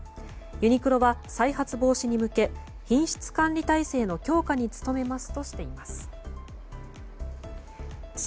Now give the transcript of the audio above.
ユニクロは再発防止に向け品質管理体制の強化に努めますとしています。